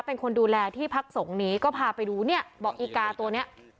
เป็นคนดูแลที่พักสงฆ์นี้ก็พาไปดูเนี่ยบอกอีกาตัวเนี้ย